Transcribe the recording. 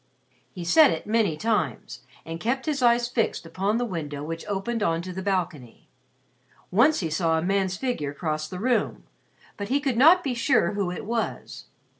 He said it many times and kept his eyes fixed upon the window which opened on to the balcony. Once he saw a man's figure cross the room, but he could not be sure who it was.